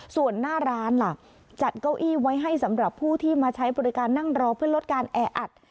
ส่วนหน้าร้านล่ะจัดเก้าอี้ไว้ให้สำหรับผู้ที่มาใช้บริการนั่งรอเพื่อลดการแออัด